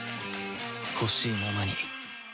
ほしいままに